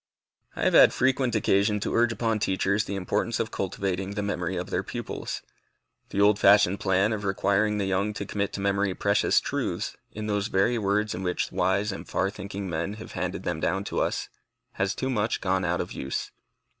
I have had frequent occasion to urge upon teachers the importance of cultivating the memory of their pupils. The old fashioned plan of requiring the young to commit to memory precious truths, in those very words in which wise and far thinking men have handed them down to us, has too much gone out of use.